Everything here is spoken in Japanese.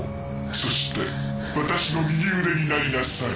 そして私の右腕になりなさい